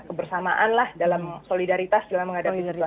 kebersamaan lah dalam solidaritas dalam menghadapi situasi